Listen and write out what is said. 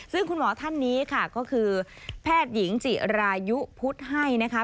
ซึ่งคุณหมอท่านนี้ค่ะก็คือแพทย์หญิงจิรายุพุทธให้นะคะ